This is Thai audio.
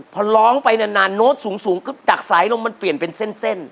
พอร้องไปนานโน้ตสูงจากสายลมมันเปลี่ยนเป็นเส้น